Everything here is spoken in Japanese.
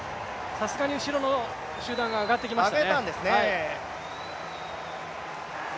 さすがに後ろの集団が上がってきましたね。